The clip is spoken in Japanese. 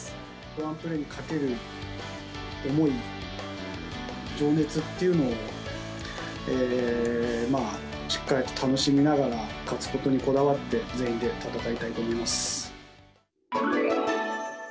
ワンプレーにかける思い、情熱っていうのを、しっかりと楽しみながら、勝つことにこだわって、全員で戦いたいと思います。